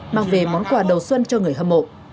mang về món quà đầu xuân cho người hâm mộ